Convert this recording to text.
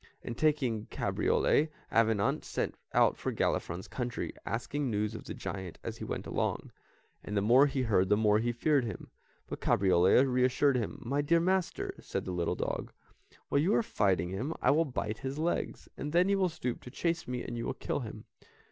And, taking Cabriole, Avenant set out for Galifron's country, asking news of the giant as he went along, and the more he heard the more he feared him, but Cabriole reassured him. "My dear master," said the little dog, "while you are fighting him I will bite his legs, then he will stoop to chase me, and you will kill him."